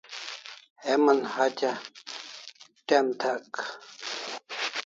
Heman hatya te'm th'ek